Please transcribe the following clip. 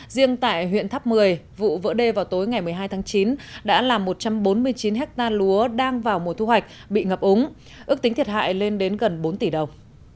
riêng tại huyện tháp một mươi vụ vỡ đê vào tối ngày một mươi hai tháng chín đã làm một trăm bốn mươi chín hectare lúa đang vào mùa thu hoạch bị ngập úng ước tính thiệt hại lên đến gần bốn tỷ đồng